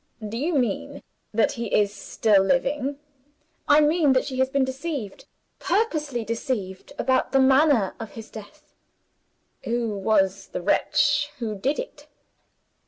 "Do you mean that he is still living?" "I mean that she has been deceived purposely deceived about the manner of his death." "Who was the wretch who did it?"